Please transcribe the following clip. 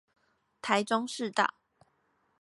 台中市道